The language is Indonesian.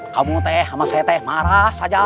kamu teh sama saya teh marah saja